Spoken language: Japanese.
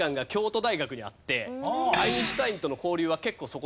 アインシュタインとの交流は結構そこに。